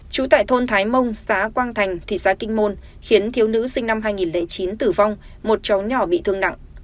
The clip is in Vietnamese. trú tại thôn thái mông xã quang thành thị xã kinh môn khiến thiếu nữ sinh năm hai nghìn chín tử vong một cháu nhỏ bị thương nặng